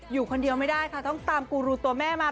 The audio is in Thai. อยู่คนเดียวไม่ได้ค่ะต้องตามกูรูตัวแม่มา